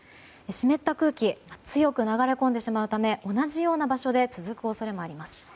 湿った空気が強く流れ込んでしまうため同じような場所で続く恐れもあります。